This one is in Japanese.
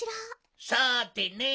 さてね！